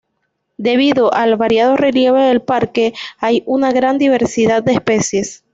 Debido al variado relieve del parque hay una gran diversidad de especies.